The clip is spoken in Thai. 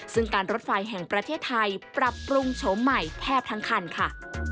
ซึ่งการรถไฟแห่งประเทศไทยปรับปรุงโฉมใหม่แทบทั้งคันค่ะ